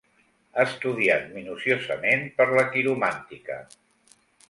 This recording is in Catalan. Estudiat minuciosament per la quiromàntica.